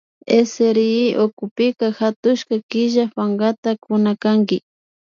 SRI ukupi hatushka killa pankata kunakanki